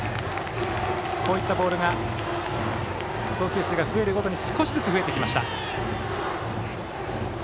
こういったボールが投球数が増えるごとに少しずつ増えてきました。